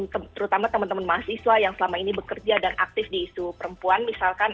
terutama teman teman mahasiswa yang selama ini bekerja dan aktif di isu perempuan misalkan